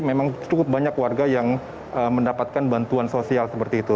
memang cukup banyak warga yang mendapatkan bantuan sosial